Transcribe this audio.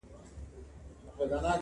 تر ټولو قوي شهادت پاته کيږي